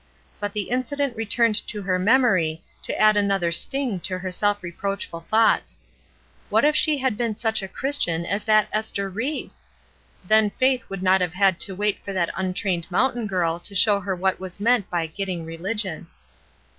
But the mcident returned to her memory to add another sting to her self re proachful thoughts. What if she had been such a Christian as that Ester Ried? Then Faith would not have had to wait for that untrained mountain giri to show her what was meant by "getting reli^on."